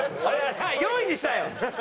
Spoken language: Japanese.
４位にしたよ。